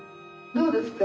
どうですか？